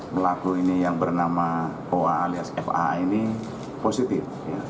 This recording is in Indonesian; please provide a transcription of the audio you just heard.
melaku ini yang bernama oa alias fa ini positif